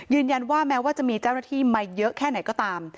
แม้ว่าจะมีเจ้าหน้าที่มาเยอะแค่ไหนก็ตาม